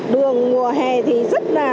đường mùa hè thì rất là